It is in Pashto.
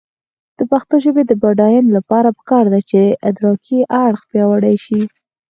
د پښتو ژبې د بډاینې لپاره پکار ده چې ادراکي اړخ پیاوړی شي.